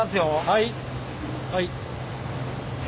はい。